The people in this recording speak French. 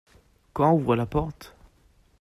Quand ouvre la porte ?